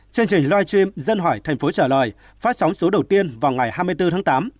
chương trình live stream dân hỏi thành phố trả lời phát sóng số đầu tiên vào ngày hai mươi bốn tháng tám